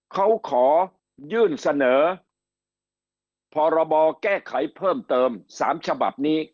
เขาขอยื่นเสนอพรบแก้ไขเพิ่มเติม๓ฉบับนี้